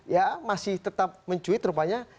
ya masih tetap mencuit rupanya